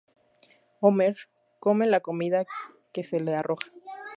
Homer come la comida que se le arroja.